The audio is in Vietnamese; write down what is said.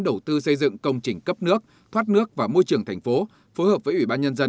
đầu tư xây dựng công trình cấp nước thoát nước và môi trường thành phố phối hợp với ủy ban nhân dân